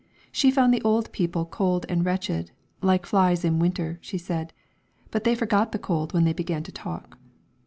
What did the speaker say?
She found the old people cold and wretched, 'like flies in winter,' she said ; but they forgot the cold when they began to talk.